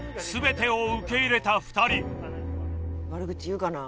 悪口言うかな？